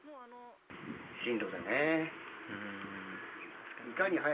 進路だね。